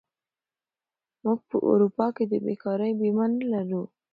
موږ په اروپا کې د بېکارۍ بیمه نه لرو.